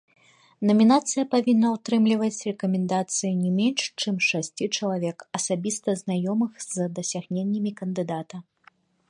Намінацыя павінна ўтрымліваць рэкамендацыі не менш чым шасці чалавек, асабіста знаёмых з дасягненнямі кандыдата.